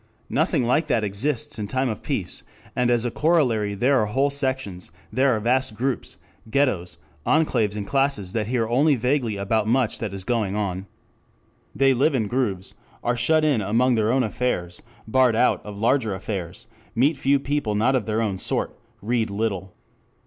Nothing like that exists in time of peace, and as a corollary there are whole sections, there are vast groups, ghettoes, enclaves and classes that hear only vaguely about much that is going on. They live in grooves, are shut in among their own affairs, barred out of larger affairs, meet few people not of their own sort, read little.